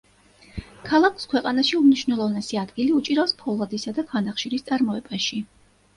ქალაქს ქვეყანაში უმნიშვნელოვანესი ადგილი უჭირავს ფოლადისა და ქვანახშირის წარმოებაში.